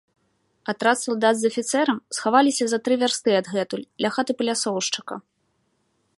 Атрад салдат з афіцэрам схаваліся за тры вярсты адгэтуль, ля хаты палясоўшчыка.